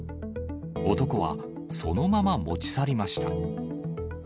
男はそのまま持ち去りました。